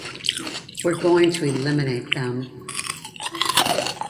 We're going to eliminate them.